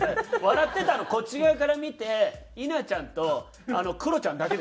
笑ってたのこっち側から見て稲ちゃんとクロちゃんだけです。